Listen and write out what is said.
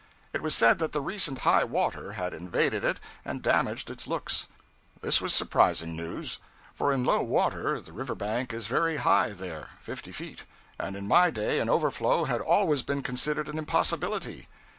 It was said that the recent high water had invaded it and damaged its looks. This was surprising news; for in low water the river bank is very high there (fifty feet), and in my day an overflow had always been considered an impossibility.